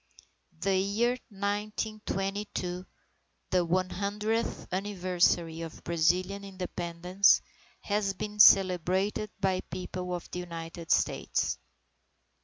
The year 1922, the one hundredth anniversary of Brazilian Independence, has been celebrated by People of the United States.